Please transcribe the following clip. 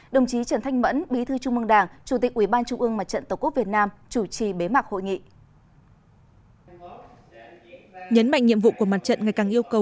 đồng chí trần thanh mẫn bí thư trung mương đảng chủ tịch ủy ban trung ương mặt trận tổ quốc việt nam chủ trì bế mạc hội nghị